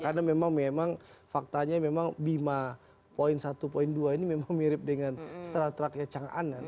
karena memang faktanya memang bima poin satu poin dua ini memang mirip dengan strata stratanya chang an